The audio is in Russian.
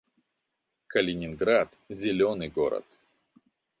Калининград — зелёный город